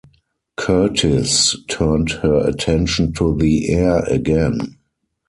"Curtiss" turned her attention to the air again.